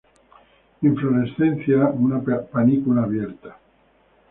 Inflorescencia una panícula abierta.